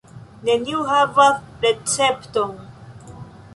Neniu havas recepton.